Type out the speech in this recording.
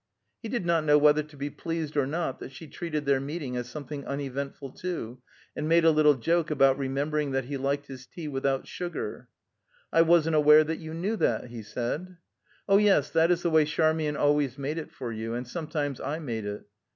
He did not know whether to be pleased or not that she treated their meeting as something uneventful, too, and made a little joke about remembering that he liked his tea without sugar. "I wasn't aware that you knew that," he said. "Oh, yes; that is the way Charmian always made it for you; and sometimes I made it."